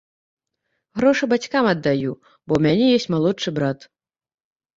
Грошы бацькам аддаю, бо ў мяне ёсць малодшы брат.